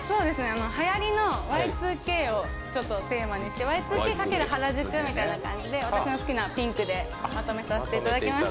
はやりのＹ２ＫをちょっとテーマにしてＹ２Ｋ×原宿みたいな感じで、私の好きなピンクでまとめさせていただきました。